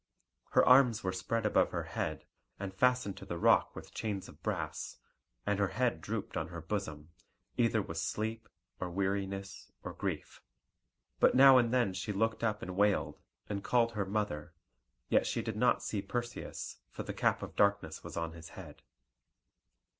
Her arms were spread above her head, and fastened to the rock with chains of brass; and her head drooped on her bosom, either with sleep, or weariness, or grief. But now and then she looked up and wailed, and called her mother; yet she did not see Perseus, for the cap of darkness was on his head.